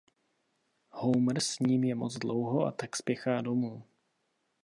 Homer s ním je moc dlouho a tak spěchá domů.